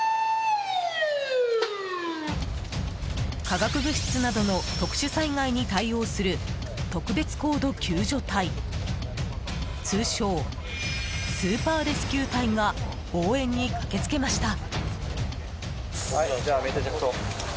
化学物質などの特殊災害に対応する特別高度救助隊通称スーパーレスキュー隊が応援に駆けつけました。